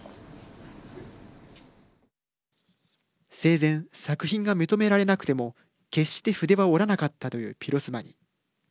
生前、作品が認められなくても決して筆は折らなかったというピロスマニ。